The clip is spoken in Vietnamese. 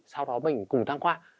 sau đó mình cùng tham khoa